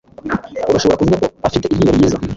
Urashobora kuvuga ko afite iryinyo ryiza.